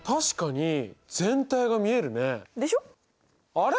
あれ？